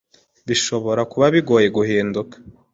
bishobora kuba bigoye guhinduka,